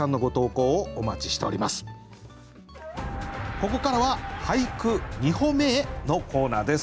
ここからは「俳句、二歩目へ」のコーナーです。